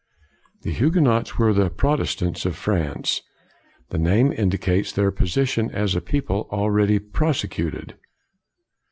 The Huguenots were the Protestants of France. The name indicates their posi tion as a people already persecuted.